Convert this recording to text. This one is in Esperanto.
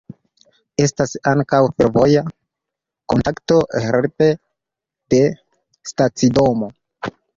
Estas ankaŭ fervoja kontakto helpe de stacidomo.